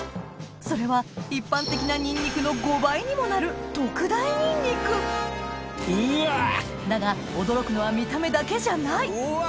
それは一般的なニンニクの５倍にもなる特大ニンニクだが驚くのは見た目だけじゃないうわ！